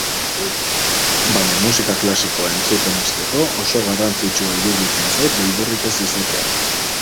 Baina musika klasikoa entzuten hasteko oso garrantzitsua iruditzen zait beldurrik ez izatea.